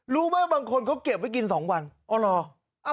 รู้มั้ยบางคนเขาเก็บไว้กินสองวันอ๋อหรอ